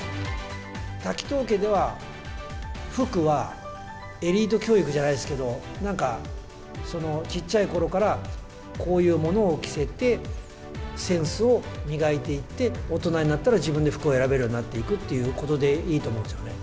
滝藤家では、服はエリート教育じゃないですけど、なんか、ちっちゃいころからこういうものを着せて、センスを磨いていって、大人になったら、自分で服を選べるようになっていくということでいいと思うんですけどね。